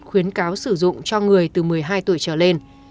khuyến cáo sử dụng cho người từ một mươi hai tuổi trở lên